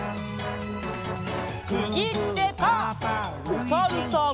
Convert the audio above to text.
おさるさん。